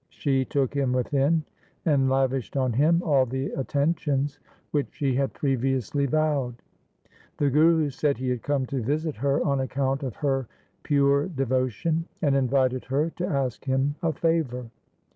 She took him within, and lavished on him all the attentions which she had previously vowed. The Guru said he had come to visit her on account of her pure devotion, and invited her to ask him a favour.